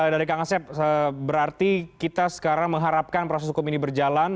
dari kang asep berarti kita sekarang mengharapkan proses hukum ini berjalan